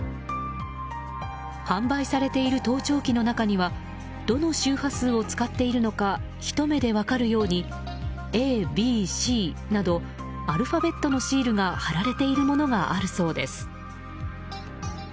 販売されている盗聴器の中にはどの周波数を使っているのかひと目で分かるようにＡ、Ｂ、Ｃなどアルファベットのシールが貼られているものがあるそうです。